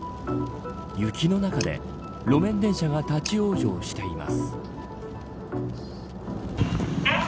雪の中で路面電車が立ち往生しています。